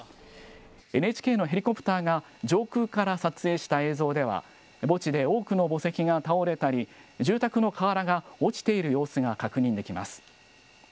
ＮＨＫのヘリコプターが上空から撮影した映像では、墓地で多くの墓石が倒れたり、住宅の瓦が落ちている様子が確認できます。